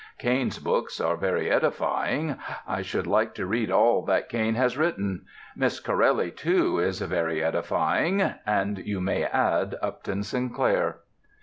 Caine's books are very edifying. I should like to read all that Caine has written. Miss Corelli, too, is very edifying. And you may add Upton Sinclair."